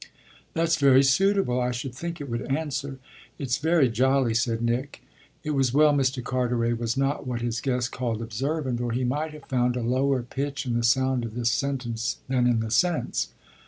"That's very suitable. I should think it would answer." "It's very jolly," said Nick. It was well Mr. Carteret was not what his guest called observant, or he might have found a lower pitch in the sound of this sentence than in the sense.